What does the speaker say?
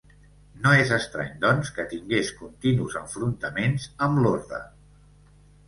No és estrany, doncs, que tingués continus enfrontaments amb l'orde.